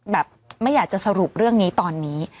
แบบไม่อยากจะสรุปเรื่องนี้ตอนนี้